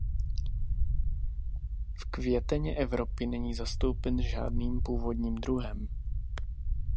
V květeně Evropy není zastoupen žádným původním druhem.